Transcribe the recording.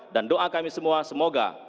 doa kami semua semoga